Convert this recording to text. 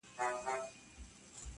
چي د ده عاید څو چنده دا علت دی,